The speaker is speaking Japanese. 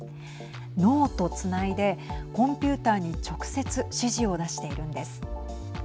脳とつないでコンピューターに直接指示を出しているんです。